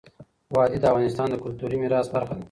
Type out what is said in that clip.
وادي د افغانستان د کلتوري میراث برخه ده.